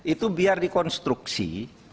itu biar dikonstruksi